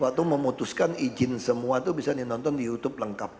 waktu memutuskan izin semua itu bisa dinonton di youtube lengkap